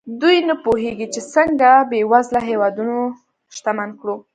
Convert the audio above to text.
دوی نه پوهېږي چې څنګه بېوزله هېوادونه شتمن کړو.